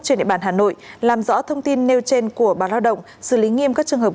trên địa bàn hà nội làm rõ thông tin nêu trên của báo lao động xử lý nghiêm các trường hợp